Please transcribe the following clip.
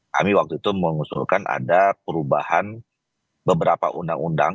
kami waktu itu mengusulkan ada perubahan beberapa undang undang